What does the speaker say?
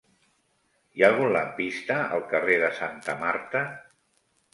Hi ha algun lampista al carrer de Santa Marta?